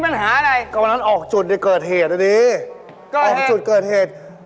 ได้เหตุว่าโรงแรมโทรมาเอาจุดเกิดเหตุ